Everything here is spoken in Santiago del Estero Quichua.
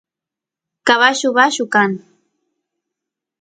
caballu bayu kan